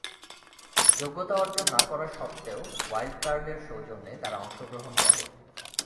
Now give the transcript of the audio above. যোগ্যতা অর্জন না করা সত্ত্বেও ওয়াইল্ড কার্ডের সৌজন্যে তারা অংশগ্রহণ করে।